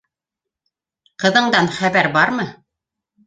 Ҡыҙыңдан хәбәр бармы?